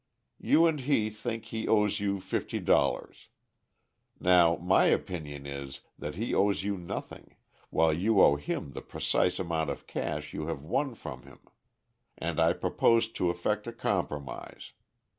You and he think he owes you fifty dollars. Now my opinion is that he owes you nothing, while you owe him the precise amount of cash you have won from him; and I propose to effect a compromise.